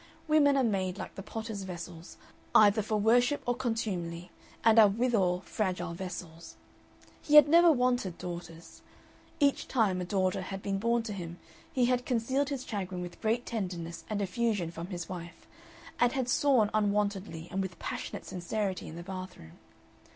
Women are made like the potter's vessels either for worship or contumely, and are withal fragile vessels. He had never wanted daughters. Each time a daughter had been born to him he had concealed his chagrin with great tenderness and effusion from his wife, and had sworn unwontedly and with passionate sincerity in the bathroom.